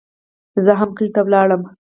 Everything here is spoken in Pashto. زه هم کلي ته ولاړم.